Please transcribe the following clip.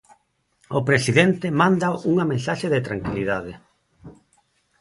O presidente manda unha mensaxe de tranquilidade.